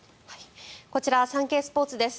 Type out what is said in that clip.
こちらサンケイスポーツです。